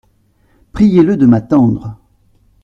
Priez-le de m’attendre.